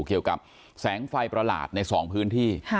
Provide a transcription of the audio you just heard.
เกี่ยวกับแสงไฟประหลาดใน๒พื้นที่